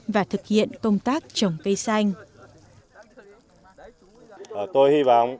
và thực hiện công tác trồng cây xanh